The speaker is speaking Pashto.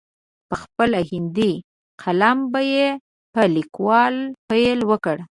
په خپل هندي قلم به یې په لیکلو پیل وکړ.